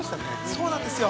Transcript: ◆そうなんですよ。